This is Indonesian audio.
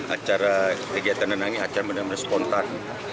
acara kegiatan menangis acara menangis spontan